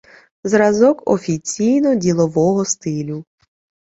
Зразок офіційно- ділового стилю